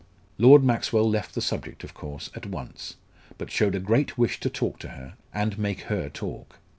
Lord Maxwell left the subject, of course, at once, but showed a great wish to talk to her, and make her talk.